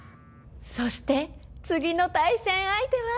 そして次の対戦相手は。